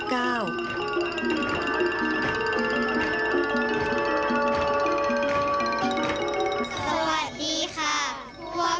สวัสดีค่ะพวกหนูมาจากชงโรมหุ่นละครเล็กโจหลุยค่ะภูมิใจค่ะ